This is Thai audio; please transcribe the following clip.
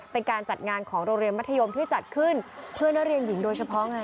เป็นการจัดงานของโรงเรียนมัธยมที่จัดขึ้นเพื่อนักเรียนหญิงโดยเฉพาะไง